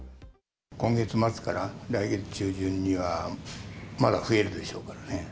今月末から来月中旬には、まだ増えるでしょうからね。